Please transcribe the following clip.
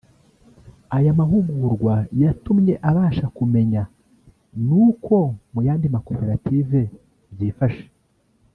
aya mahugurwa yatumye abasha kumemnya n’uko mu yandi makoperative byifashe